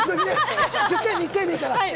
１０回に１回でいいから！